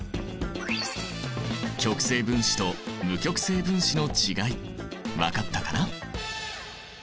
極性分子と無極性分子の違い分かったかな？